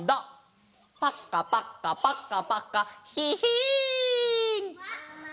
パッカパッカパッカパッカヒヒン！